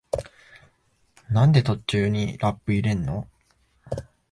なんで途中にラップ入れんの？